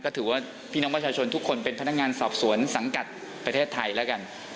ก็ถือว่าพี่น้องประชาชนทุกคนเป็นพนักงานสอบสวนสังกัดประเทศไทยแล้วกัน